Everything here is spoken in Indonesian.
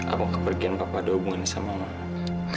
apa kepergian bapak ada hubungannya sama mama